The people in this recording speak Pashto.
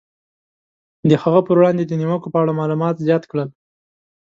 د هغه پر وړاندې د نیوکو په اړه معلومات زیات کړل.